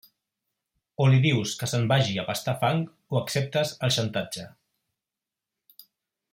O li dius que se'n vagi a pastar fang o acceptes el xantatge.